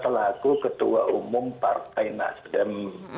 selaku ketua umum partai nasdem